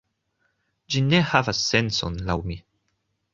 Ĝi ne havas sencon laŭ mi